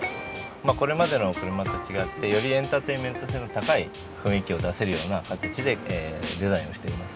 まあこれまでの車と違ってよりエンタテインメント性の高い雰囲気を出せるような形でデザインをしています。